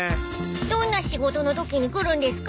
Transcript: ［どんな仕事のときに来るんですか？］